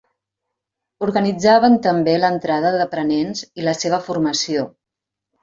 Organitzaven també l'entrada d'aprenents i la seva formació.